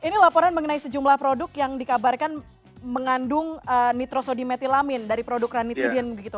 ini laporan mengenai sejumlah produk yang dikabarkan mengandung nitrosodimetilamin dari produk ranitidin begitu